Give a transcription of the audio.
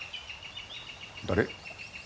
誰？